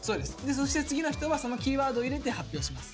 そして次の人はそのキーワードを入れて発表します。